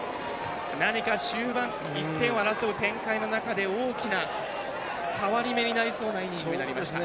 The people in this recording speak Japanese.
何か終盤、１点を争う展開の中で大きな変わり目になりそうなイニングになりました。